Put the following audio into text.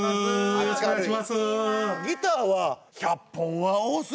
よろしくお願いします。